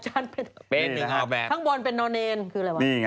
ทั้งบนเป็นนอนเนน